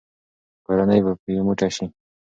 کورنۍ به یو موټی شي.